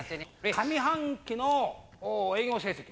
上半期の営業成績。